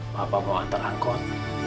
bapak mau antar angkot